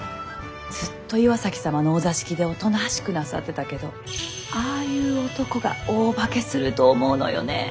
ずっと岩崎様のお座敷でおとなしくなさってたけどああいう男が大化けすると思うのよねえ。